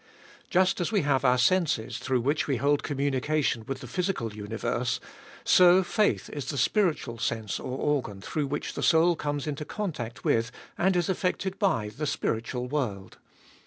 Just as we have our senses, through which we hold communication with the physical universe, so faith is the spiritual sense or organ through which the soul comes into contact with and is affected by the spiritual world.